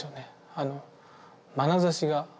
あのまなざしが。